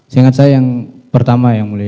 seingat saya yang pertama yang mulia